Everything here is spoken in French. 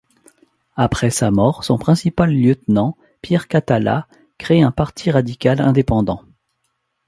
Après sa mort, son principal lieutenant, Pierre Cathala, créé un Parti radical indépendant.